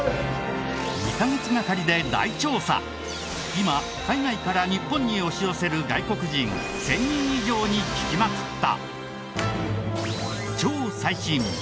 今海外から日本に押し寄せる外国人１０００人以上に聞きまくった。